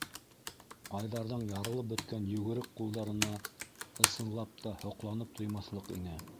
Айҙарҙың ярылып бөткән йүгерек ҡулдарына, ысынлап та, һоҡланып туймаҫлыҡ ине.